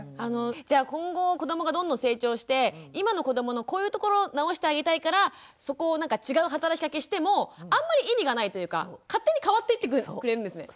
じゃあ今後子どもがどんどん成長して今の子どものこういうところ直してあげたいからそこをなんか違う働きかけしてもあんまり意味がないというか勝手に変わっていってくれるんですね？